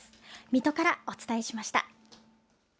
水戸からお伝えしました。